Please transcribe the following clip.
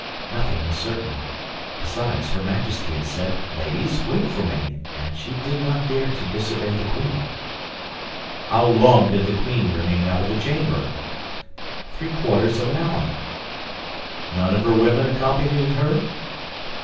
"Nothing was certain; besides, her Majesty had said, 'Ladies, wait for me,' and she did not dare to disobey the queen." "How long did the queen remain out of the chamber?" "Three quarters of an hour." "None of her women accompanied her?"